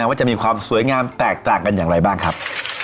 ว่าจะมีความสวยงามแตกต่างกันอย่างไรบ้างครับ